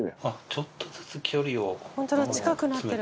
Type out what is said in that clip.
ちょっとずつ距離を詰めてる。